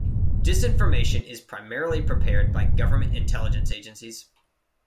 Disinformation is primarily prepared by government intelligence agencies.